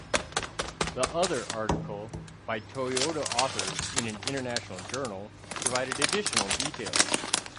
The other article, by Toyota authors in an international journal, provided additional details.